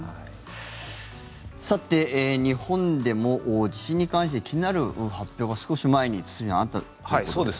さて、日本でも地震に関して気になる発表が少し前に、堤さんあったということですか。